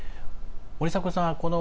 森迫さん